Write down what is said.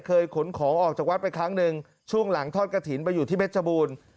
ขนของออกจากวัดไปครั้งหนึ่งช่วงหลังทอดกระถิ่นไปอยู่ที่เพชรบูรณ์